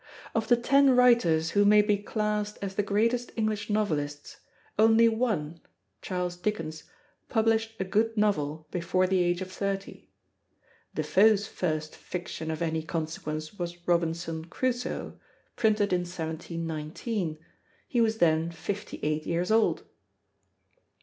Of the ten writers who may be classed as the greatest English novelists, only one Charles Dickens published a good novel before the age of thirty. Defoe's first fiction of any consequence was Robinson Crusoe, printed in 1719; he was then fifty eight years old.